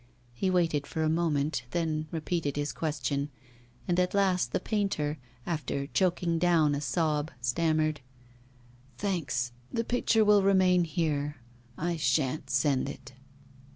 He waited for a moment, then repeated his question, and at last the painter, after choking down a sob, stammered: 'Thanks, the picture will remain here; I sha'n't send it.